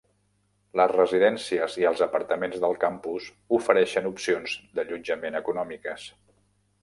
Les residències i els apartaments del campus ofereixen opcions d'allotjament econòmiques.